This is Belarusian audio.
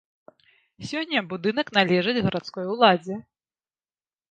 Сёння будынак належыць гарадской уладзе.